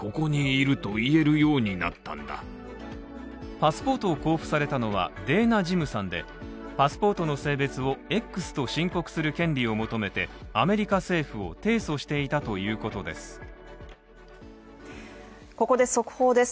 パスポートを交付されたのはデーナ・ジムさんで、パスポートの性別をＸと申告する権利を求めてアメリカ政府を提訴していたということです。